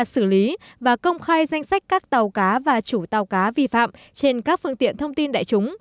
xử lý và công khai danh sách các tàu cá và chủ tàu cá vi phạm trên các phương tiện thông tin đại chúng